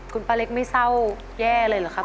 คุณป้าเล็กไม่เศร้าแย่เลยเหรอครับ